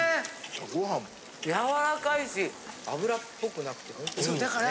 ・ご飯・やわらかいし脂っぽくなくてほんとに良いですね。